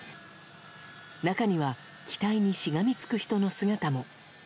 中には機体にしがみつく人の姿も。